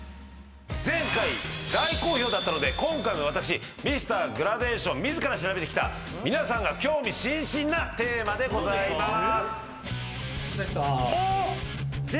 前回大好評だったので今回も私Ｍｒ．グラデーション自ら調べてきた皆さんが興味津々なテーマでございます。